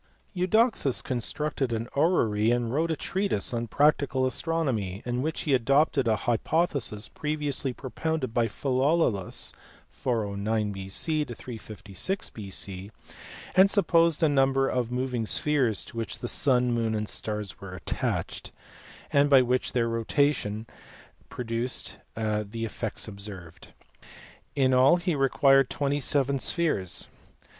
Eudoxus constructed an orrery, and wrote a treatise on practical astronomy, in which he adopted a hypothesis pre viously propounded by Philolaus (409 B.C. 356 B.C.), and supposed a number of moving spheres to which the sun, moon, and stars were attached, and which by their rotation produced the effects observed. Jn all he required twenty seven spheres.